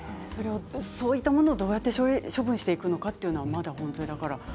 そういったものをどうやって処分していくのかというのは、まだ本当に。